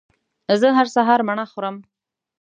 زه هر سهار مڼه خورم